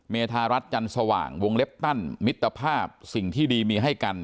เมธารัฐจันทร์สว่างวงเล็บตันมิตรภาพสิ่งที่ดีมีให้กัน